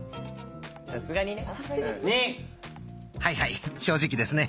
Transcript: はいはい正直ですね。